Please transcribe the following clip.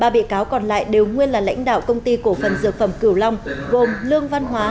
ba bị cáo còn lại đều nguyên là lãnh đạo công ty cổ phần dược phẩm cửu long gồm lương văn hóa